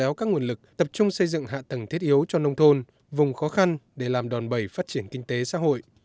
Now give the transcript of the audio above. kéo các nguồn lực tập trung xây dựng hạ tầng thiết yếu cho nông thôn vùng khó khăn để làm đòn bẩy phát triển kinh tế xã hội